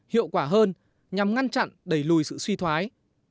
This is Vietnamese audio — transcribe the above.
hiệu quả hơn nhằm ngăn chặn đẩy lùi sự suy thoái